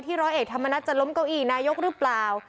ร้อยเอกธรรมนัฐจะล้มเก้าอี้นายกหรือเปล่า